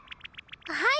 はい！